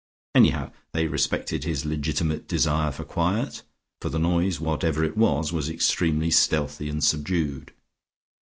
Anyhow they respected his legitimate desire for quiet, for the noise, whatever it was, was extremely stealthy and subdued.